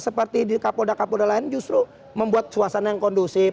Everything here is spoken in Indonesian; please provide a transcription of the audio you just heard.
seperti di kapolda kapolda lain justru membuat suasana yang kondusif